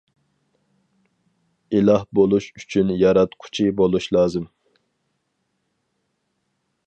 ئىلاھ بولۇش ئۈچۈن ياراتقۇچى بولۇش لازىم.